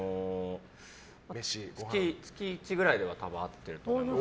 月１ぐらいでは会ってると思います。